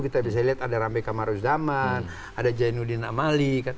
kita bisa lihat ada rambeka maruzaman ada jainudin amali